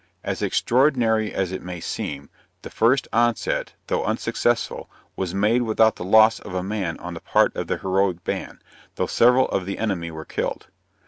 As extraordinary as it may seem, the first onset, though unsuccessful, was made without the loss of a man on the part of the heroic band, though several of the enemy were killed.